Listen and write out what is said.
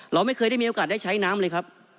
เราไม่เคยได้มีโอกาสได้ใช้น้ำเลยครับ